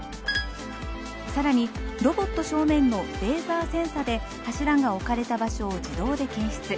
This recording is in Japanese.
さらにロボット正面のレーザーセンサで柱が置かれた場所を自動で検出。